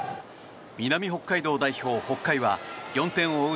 南北海道代表・北海は４点を追う